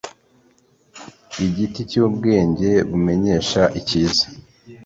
igiti cy’ubwenge bumenyesha icyiza